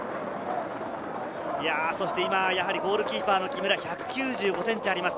ゴールキーパーの木村、１９５ｃｍあります。